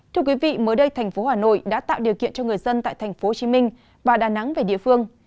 thưa quý vị mới đây thành phố hà nội đã tạo điều kiện cho người dân tại thành phố hồ chí minh và đà nẵng về địa phương